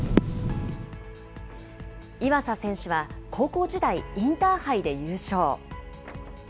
岩佐選手は高校時代、インターハイで優勝。